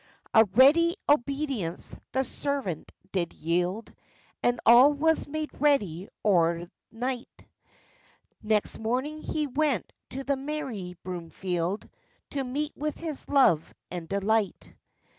A ready obedience the servant did yield, And all was made ready o'er night; Next morning he went to the merry Broomfield, To meet with his love and delight.